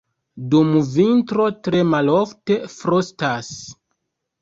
Dum vintro tre malofte frostas.